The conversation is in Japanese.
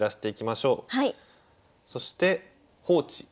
そして「放置」。